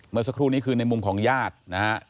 เมื่อสักครู่นี้คือในมุมของญาตินะฮะ